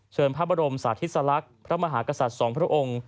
เชิญภาพบรมศาสธิสลักพระมหากษัตริย์สองพระองค์